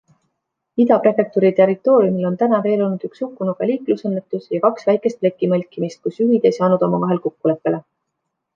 Ida-prefektuuri territooriumil on täna veel olnud üks hukkunuga liiklusõnnetus ja kaks väikest plekimõlkimist, kus juhid ei saanud omavahel kokkuleppele.